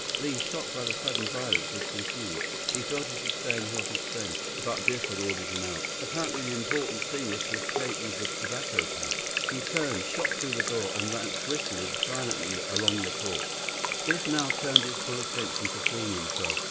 Li, shocked by the sudden violence, was confused. He felt he should stay and help his friend. But Biff had ordered him out. Apparently the important thing was to escape with the tobacco pouch. He turned, shot through the door, and ran swiftly, silently, along the porch. Biff now turned his full attention to freeing himself.